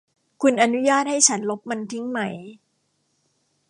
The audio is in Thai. คุณอนุญาตให้ฉันลบมันทิ้งไหม ?